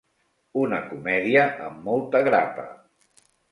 Una comèdia amb molta grapa.